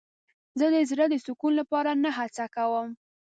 زه د زړه د سکون لپاره نه هڅه کوم.